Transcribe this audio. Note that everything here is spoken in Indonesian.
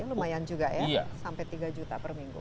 lumayan juga ya sampai tiga juta per minggu